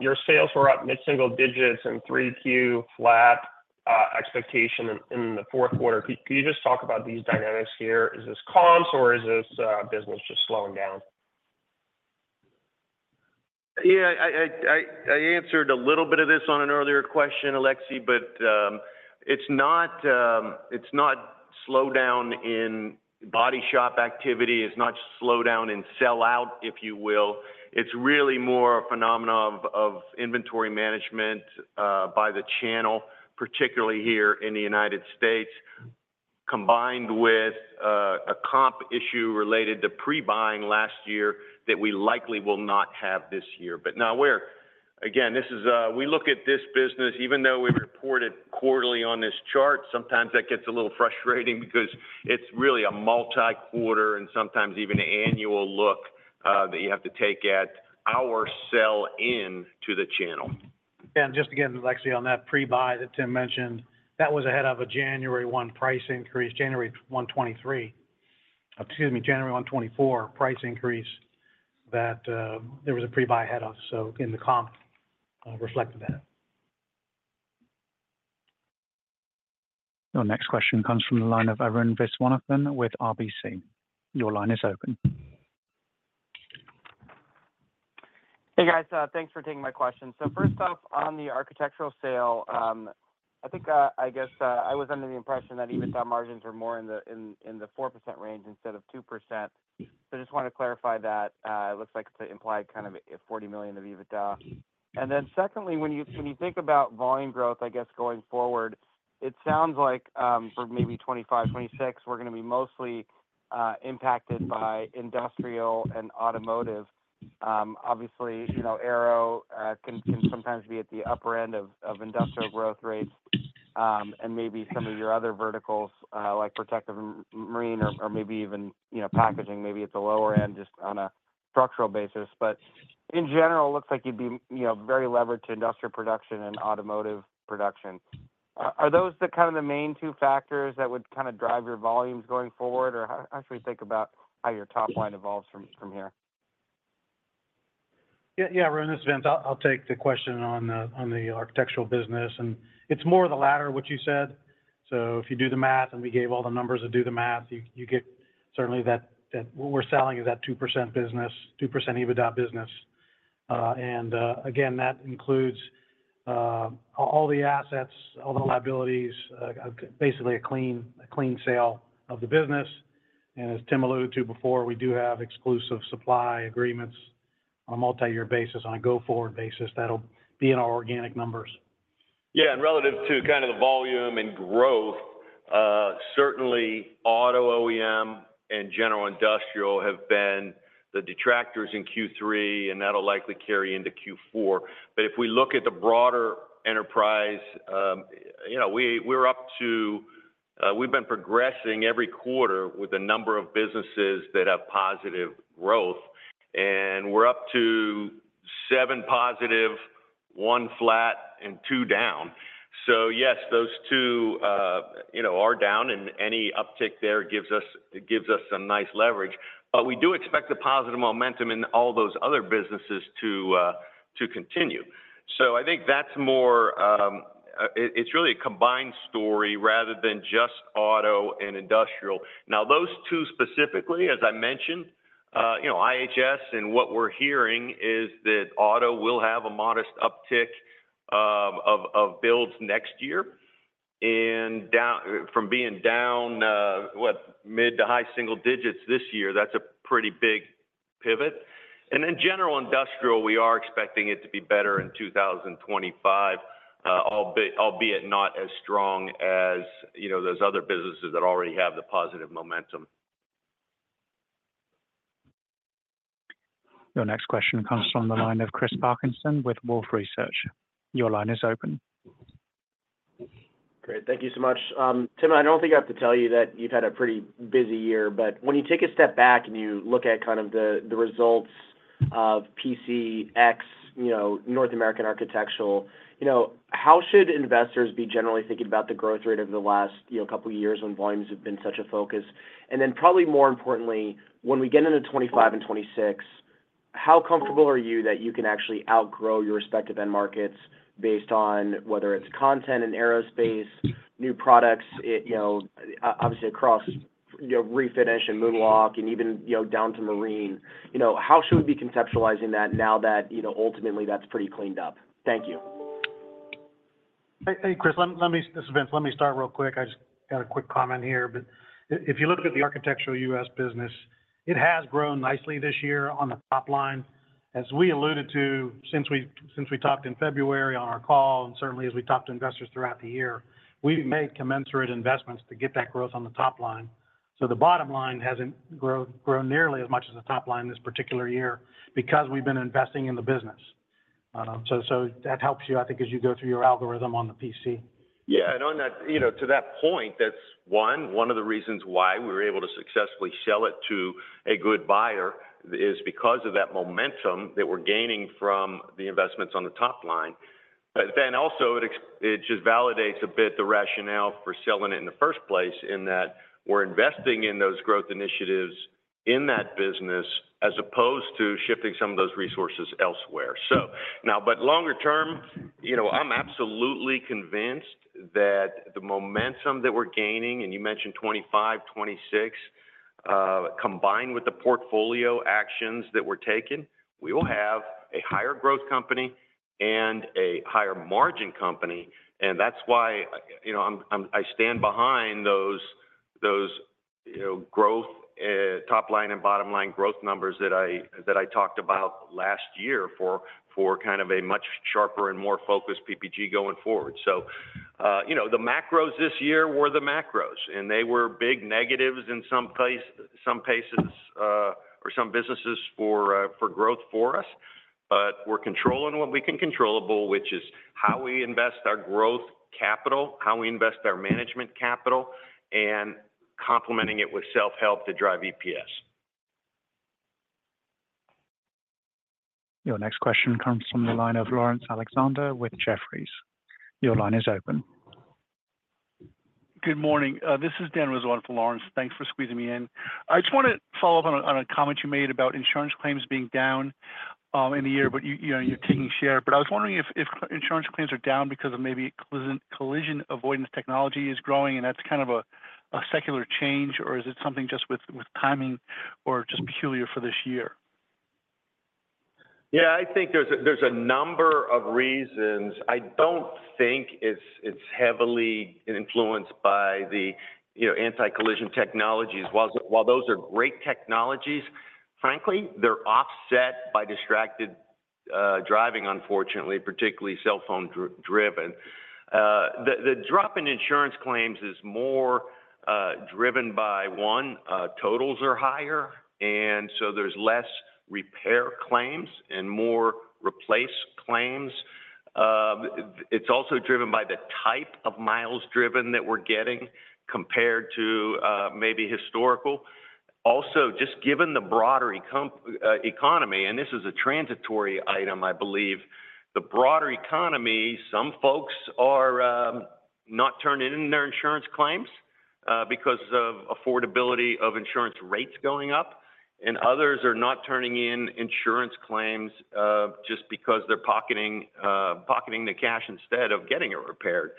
your sales were up mid-single digits and 3Q flat, expectation in the fourth quarter. Can you just talk about these dynamics here? Is this comps, or is this business just slowing down? Yeah, I answered a little bit of this on an earlier question, Aleksey, but it's not slowdown in body shop activity, it's not slowdown in sellout, if you will. It's really more a phenomenon of inventory management by the channel, particularly here in the United States, combined with a comp issue related to pre-buying last year that we likely will not have this year. But now we're. Again, this is, we look at this business, even though we report it quarterly on this chart, sometimes that gets a little frustrating because it's really a multi-quarter and sometimes even annual look that you have to take at our sell-in to the channel. And just again, Aleksey, on that pre-buy that Tim mentioned, that was of a January 1, 2023 price increase. Excuse me, January 1, 2024 price increase that there was a pre-buy ahead of, so in the comp reflected that. Your next question comes from the line of Arun Viswanathan with RBC. Your line is open. Hey, guys, thanks for taking my question. So first off, on the architectural sale, I think, I guess, I was under the impression that EBITDA margins were more in the 4% range instead of 2%. So I just want to clarify that, it looks like it's an implied kind of 40 million of EBITDA. And then secondly, when you think about volume growth, I guess, going forward, it sounds like, for maybe 2025, 2026, we're gonna be mostly impacted by industrial and automotive. Obviously, you know, aero can sometimes be at the upper end of industrial growth rates, and maybe some of your other verticals, like protective marine or maybe even, you know, packaging, maybe at the lower end, just on a structural basis. But in general, it looks like you'd be, you know, very levered to industrial production and automotive production. Are those the kind of the main two factors that would kind of drive your volumes going forward, or how should we think about how your top line evolves from here? Yeah, yeah, Arun, this is Vince. I'll take the question on the architectural business, and it's more the latter, what you said. So if you do the math, and we gave all the numbers to do the math, you get certainly that what we're selling is that 2% business, 2% EBITDA business. And again, that includes all the assets, all the liabilities, basically a clean sale of the business. And as Tim alluded to before, we do have exclusive supply agreements on a multi-year basis, on a go-forward basis. That'll be in our organic numbers. Yeah, and relative to kind of the volume and growth, certainly auto OEM and general industrial have been the detractors in Q3, and that'll likely carry into Q4. But if we look at the broader enterprise, you know, we, we're up to, we've been progressing every quarter with the number of businesses that have positive growth, and we're up to seven positive, one flat, and two down. So yes, those two, you know, are down, and any uptick there gives us, it gives us some nice leverage. But we do expect the positive momentum in all those other businesses to, to continue. So I think that's more, It's really a combined story rather than just auto and industrial. Now, those two, specifically, as I mentioned, you know, IHS and what we're hearing is that auto will have a modest uptick of builds next year. And down from being down what? Mid- to high-single-digits this year, that's a pretty big pivot. And in general industrial, we are expecting it to be better in 2025, albeit not as strong as, you know, those other businesses that already have the positive momentum. Your next question comes from the line of Chris Parkinson with Wolfe Research. Your line is open. Great. Thank you so much. Tim, I don't think I have to tell you that you've had a pretty busy year, but when you take a step back and you look at kind of the results of PCX, you know, North American Architectural, you know, how should investors be generally thinking about the growth rate over the last, you know, couple of years when volumes have been such a focus? And then probably more importantly, when we get into 2025 and 2026, how comfortable are you that you can actually outgrow your respective end markets based on whether it's content and aerospace, new products, it, you know, obviously across- You know, Refinish and MoonWalk and even, you know, down to Marine. You know, how should we be conceptualizing that now that, you know, ultimately that's pretty cleaned up? Thank you. Hey, Chris, let me, this is Vince. Let me start real quick. I just got a quick comment here, but if you look at the architectural US business, it has grown nicely this year on the top line. As we alluded to, since we talked in February on our call, and certainly as we talked to investors throughout the year, we've made commensurate investments to get that growth on the top line. So the bottom line hasn't grown nearly as much as the top line this particular year because we've been investing in the business. So that helps you, I think, as you go through your algorithm on the PC. Yeah, and on that, you know, to that point, that's one of the reasons why we were able to successfully sell it to a good buyer, is because of that momentum that we're gaining from the investments on the top line. But then also, it just validates a bit the rationale for selling it in the first place, in that we're investing in those growth initiatives in that business, as opposed to shifting some of those resources elsewhere. So now, but longer term, you know, I'm absolutely convinced that the momentum that we're gaining, and you mentioned 2025, 2026, combined with the portfolio actions that we're taking, we will have a higher growth company and a higher margin company. And that's why, you know, I stand behind those, you know, growth, top line and bottom line growth numbers that I talked about last year for kind of a much sharper and more focused PPG going forward. So, you know, the macros this year were the macros, and they were big negatives in some places, some cases, or some businesses for growth for us. But we're controlling what we can controllable, which is how we invest our growth capital, how we invest our management capital, and complementing it with self-help to drive EPS. Your next question comes from the line of Laurence Alexander with Jefferies. Your line is open. Good morning. This is Dan Rizzo for Laurence. Thanks for squeezing me in. I just want to follow up on a comment you made about insurance claims being down in the year, but you know, you're taking share. But I was wondering if insurance claims are down because of maybe collision avoidance technology is growing, and that's kind of a secular change, or is it something just with timing or just peculiar for this year? Yeah, I think there's a number of reasons. I don't think it's heavily influenced by the, you know, anti-collision technologies. While those are great technologies, frankly, they're offset by distracted driving, unfortunately, particularly cell phone driven. The drop in insurance claims is more driven by, one, totals are higher, and so there's less repair claims and more replace claims. It's also driven by the type of miles driven that we're getting compared to maybe historical. Also, just given the broader economy, and this is a transitory item, I believe, the broader economy, some folks are not turning in their insurance claims because of affordability of insurance rates going up, and others are not turning in insurance claims just because they're pocketing the cash instead of getting it repaired.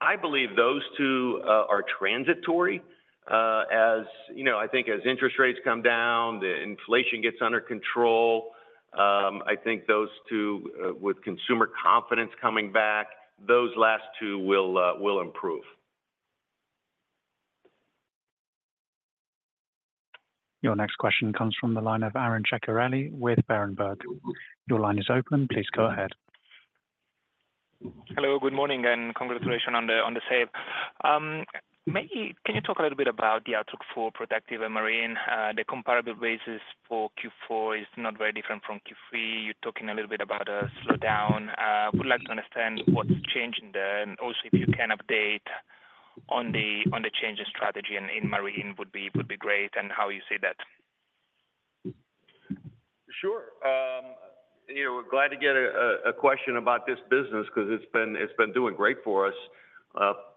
I believe those two are transitory. You know, I think as interest rates come down, the inflation gets under control, I think those two, with consumer confidence coming back, those last two will improve. Your next question comes from the line of Aron Ceccarelli with Berenberg. Your line is open. Please go ahead. Hello, good morning, and congratulations on the save. Maybe can you talk a little bit about the outlook for Protective and Marine? The comparable basis for Q4 is not very different from Q3. You're talking a little bit about a slowdown. Would like to understand what's changing there? Also, if you can update on the change in strategy and in Marine would be great, and how you see that. Sure. You know, we're glad to get a question about this business because it's been doing great for us.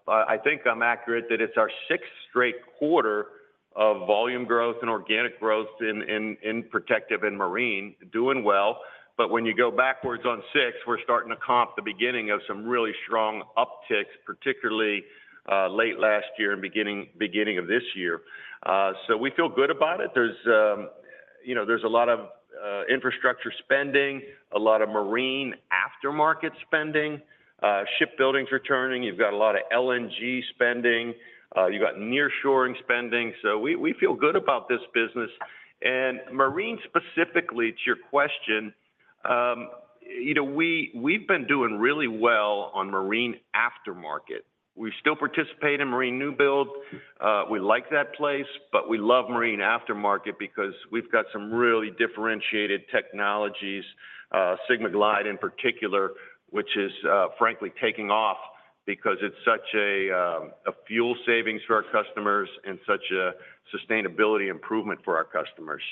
I think I'm accurate that it's our sixth straight quarter of volume growth and organic growth in Protective and Marine, doing well. But when you go backwards on six, we're starting to comp the beginning of some really strong upticks, particularly late last year and beginning of this year. So we feel good about it. There's you know, there's a lot of infrastructure spending, a lot of marine aftermarket spending, shipbuildings returning. You've got a lot of LNG spending, you've got nearshoring spending, so we feel good about this business. And Marine, specifically, to your question, you know, we've been doing really well on Marine aftermarket. We still participate in Marine new build. We like that place, but we love Marine aftermarket because we've got some really differentiated technologies, SIGMAGLIDE in particular, which is frankly taking off because it's such a fuel savings for our customers and such a sustainability improvement for our customers.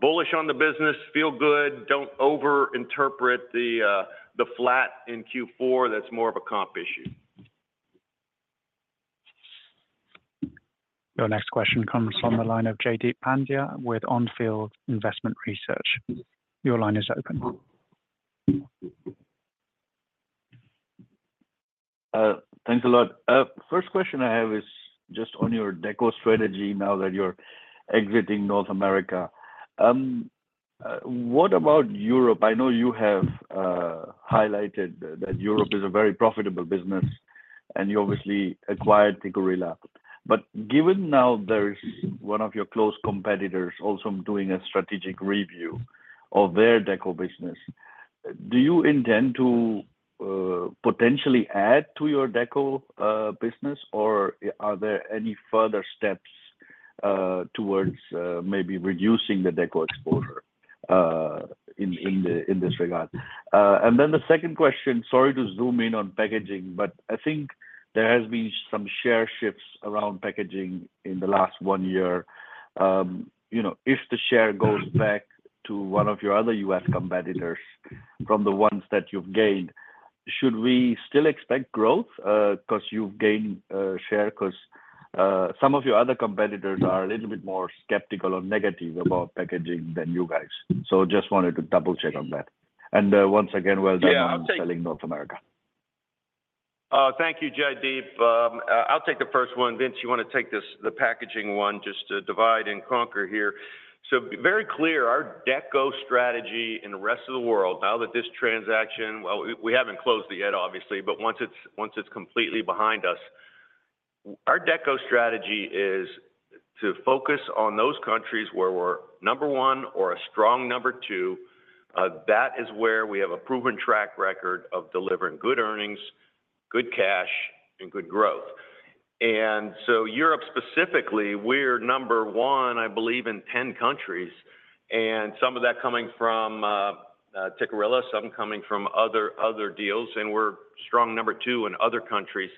Bullish on the business, feel good, don't overinterpret the flat in Q4. That's more of a comp issue. Your next question comes from the line of Jaideep Pandya with Onfield Investment Research. Your line is open. Thanks a lot. First question I have is just on your deco strategy now that you're exiting North America. What about Europe? I know you have highlighted that Europe is a very profitable business, and you obviously acquired the Tikkurila. But given now there is one of your close competitors also doing a strategic review of their deco business, do you intend to potentially add to your deco business, or are there any further steps towards maybe reducing the deco exposure in this regard? And then the second question, sorry to zoom in on packaging, but I think there has been some share shifts around packaging in the last one year. You know, if the share goes back to one of your other U.S. competitors from the ones that you've gained, should we still expect growth, because you've gained, share? Because, some of your other competitors are a little bit more skeptical or negative about packaging than you guys. So just wanted to double check on that. And, once again, well done on selling North America. Thank you, Jaideep. I'll take the first one. Vince, you want to take this, the packaging one, just to divide and conquer here. So very clear, our deco strategy in the rest of the world, now that this transaction, well, we haven't closed it yet, obviously, but once it's completely behind us, our deco strategy is to focus on those countries where we're number one or a strong number two. That is where we have a proven track record of delivering good earnings, good cash, and good growth. And so Europe, specifically, we're number one, I believe, in ten countries, and some of that coming from Tikkurila, some coming from other deals, and we're strong number two in other countries.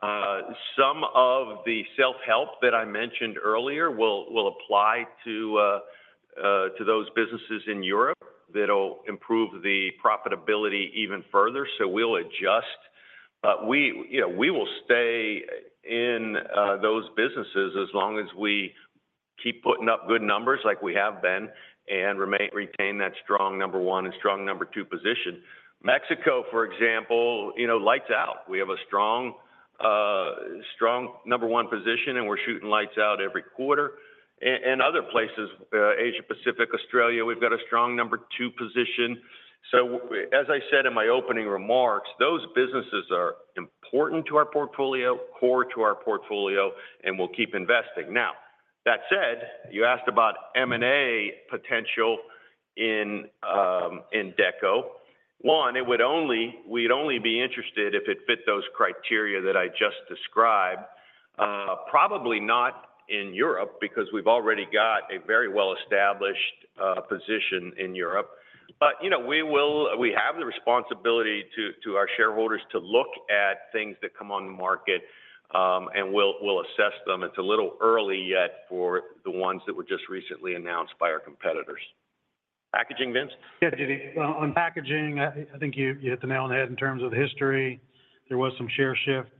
Some of the self-help that I mentioned earlier will apply to those businesses in Europe that'll improve the profitability even further. So we'll adjust. But we, you know, we will stay in those businesses as long as we keep putting up good numbers like we have been, and retain that strong number one and strong number two position. Mexico, for example, you know, lights out. We have a strong number one position, and we're shooting lights out every quarter. And other places, Asia Pacific, Australia, we've got a strong number two position. So as I said in my opening remarks, those businesses are important to our portfolio, core to our portfolio, and we'll keep investing. Now, that said, you asked about M&A potential in Deco. One, we'd only be interested if it fit those criteria that I just described. Probably not in Europe, because we've already got a very well-established position in Europe. But, you know, we have the responsibility to our shareholders to look at things that come on the market, and we'll assess them. It's a little early yet for the ones that were just recently announced by our competitors. Packaging, Vince? Yeah, Jaideep. On packaging, I think you hit the nail on the head in terms of the history. There was some share shift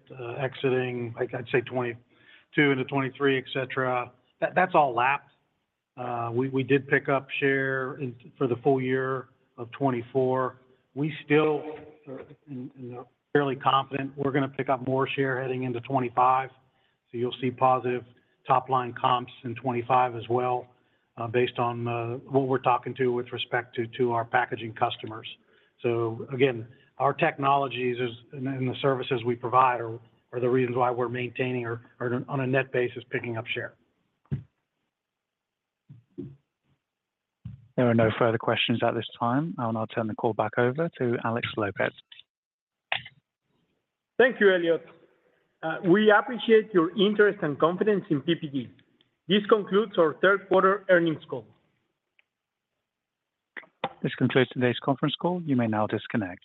exiting, like I'd say, 2022 into 2023, et cetera. That's all lapsed. We did pick up share for the full year of 2024. We still are, you know, fairly confident we're gonna pick up more share heading into 2025. So you'll see positive top-line comps in 2025 as well, based on what we're talking to with respect to our packaging customers. So again, our technologies is, and the services we provide are the reasons why we're maintaining or on a net basis, picking up share. There are no further questions at this time. I'll now turn the call back over to Alex Lopez. Thank you, Elliot. We appreciate your interest and confidence in PPG. This concludes our third quarter earnings call. This concludes today's conference call. You may now disconnect.